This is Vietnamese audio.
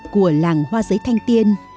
của làng hoa giấy thanh tiên